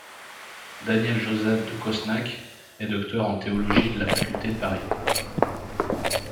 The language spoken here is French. Daniel Joseph de Cosnac est docteur en théologie de la faculté de Paris.